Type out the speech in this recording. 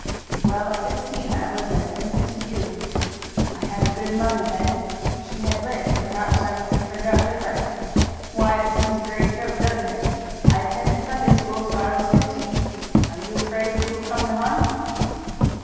"Well, at sixteen I was as innocent as you. I had a good mother then. If she had lived perhaps I would have turned out different. Why, it seems a great joke, doesn't it. I attended Sunday school till I was fifteen. Are you afraid that you will come to harm?"